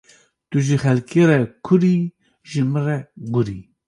Tu ji xelkê re kur î, ji min re gur î.